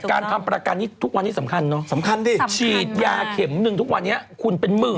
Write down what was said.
การทำประกันนี้ทุกวันนี้สำคัญเนอะสำคัญดิฉีดยาเข็มหนึ่งทุกวันนี้คุณเป็นหมื่น